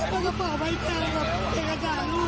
มีความรู้สึกว่าเกิดอะไรขึ้น